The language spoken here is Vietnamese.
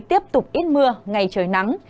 tiếp tục ít mưa ngày trời nắng